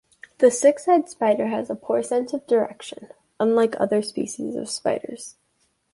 The six-eyed spider has a poor sense of direction, unlike other species of spiders.